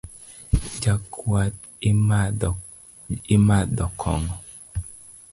Jakuath imadho kong'o?